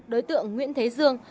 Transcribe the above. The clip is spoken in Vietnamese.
đối tượng nguyễn thế dương